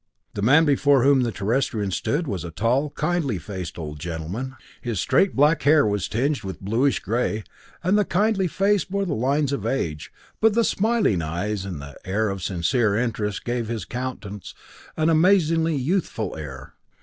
The man before whom the Terrestrians stood was a tall, kindly faced old gentleman. His straight black hair was tinged with bluish gray, and the kindly face bore the lines of age, but the smiling eyes, and the air of sincere interest gave his countenance an amazingly youthful air.